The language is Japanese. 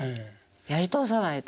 やり通さないと。